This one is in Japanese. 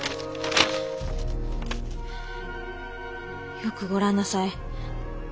よくご覧なさい。